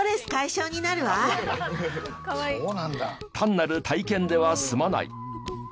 単なる体験では済まない。